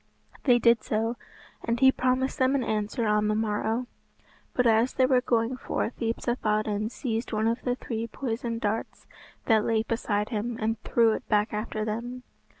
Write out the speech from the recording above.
They did so, and he promised them an answer on the morrow. But as they were going forth Yspathaden seized one of the three poisoned darts that lay beside him and threw it back after them.